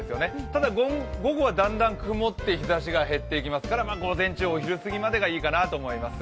ただ午後はだんだん曇って日ざしが減っていきますから午前中、お昼すぎぐらいまでがいいかなと思います。